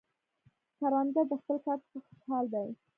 کروندګر د خپل کار څخه خوشحال دی